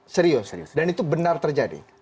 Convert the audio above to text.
serius serius dan itu benar terjadi